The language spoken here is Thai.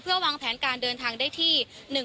เพื่อวางแผนการเดินทางได้ที่